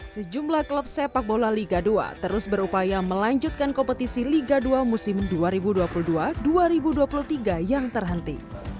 sejumlah klub sepak bola liga dua terus berupaya melanjutkan kompetisi liga dua musim dua ribu dua puluh dua dua ribu dua puluh tiga yang terhenti